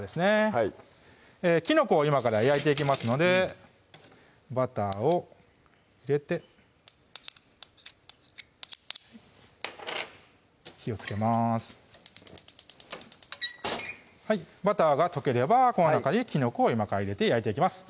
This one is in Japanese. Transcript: はいきのこを今から焼いていきますのでバターを入れて火をつけますバターが溶ければこの中にきのこを今から入れて焼いていきます